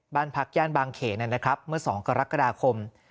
บ้านพักย่านบางเขนนะครับเมื่อ๒กรกฎาคม